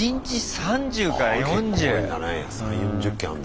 ３０４０件あんだ。